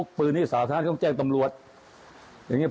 เนี่ยเห็นท่านนายบุลเลอร์นายโยโหมบุลเลอร์เนี่ย